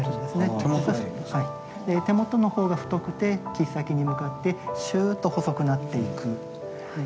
手元の方が太くて切っ先に向かってシューッと細くなっていく。